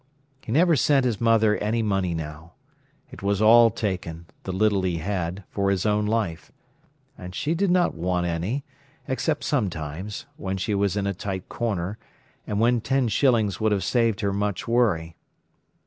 He never sent his mother any money now. It was all taken, the little he had, for his own life. And she did not want any, except sometimes, when she was in a tight corner, and when ten shillings would have saved her much worry.